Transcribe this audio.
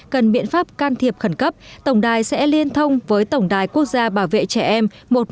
cần biện pháp can thiệp khẩn cấp tổng đài sẽ liên thông với tổng đài quốc gia bảo vệ trẻ em một trăm một mươi một